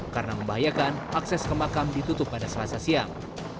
karena membahayakan akses ke makam ditutup pada selasa siang